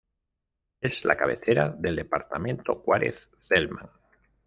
Es la cabecera del departamento Juárez Celman.